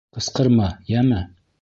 Ҡысҡырма, йәме.